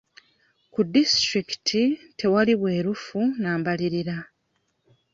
Ku disitulikiti tewali bwerufu na mbalirira.